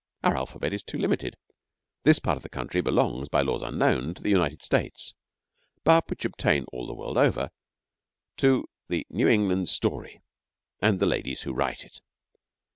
Our alphabet is too limited. This part of the country belongs by laws unknown to the United States, but which obtain all the world over, to the New England story and the ladies who write it.